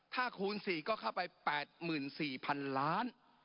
ถ้าคูณสี่ก็เข้าไปแปดหมื่นสี่พันล้าน